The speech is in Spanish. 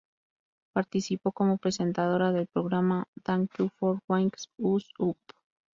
Participó como presentadora del programa "Thank You for Waking Us Up!